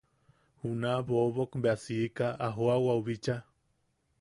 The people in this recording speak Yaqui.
Juna bobok bea siika a joʼawau bicha.